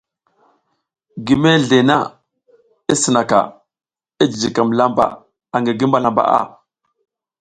Gi mezle na i sinaka, i jijikam lamba angi gi malambaʼa.